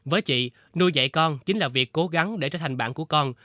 với chị nuôi dạy con chính là việc cố gắng để trở thành bạn của con